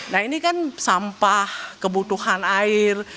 nah ini kan sampah kebutuhan air